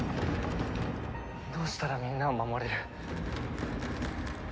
どうしたらみんなを守れる？